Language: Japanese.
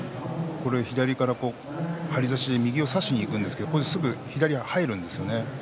左から張り差しで右を差しにいくんですけどすぐに左が入るんですよね。